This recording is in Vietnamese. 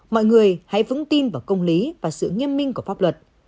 mọi người hãy vững tin vào công lý và sự nghiêm minh của pháp luật